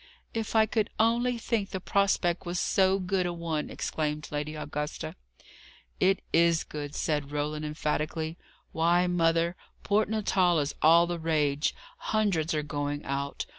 "If I could only think the prospect was so good a one!" exclaimed Lady Augusta. "It is good," said Roland emphatically. "Why, mother, Port Natal is all the rage: hundreds are going out.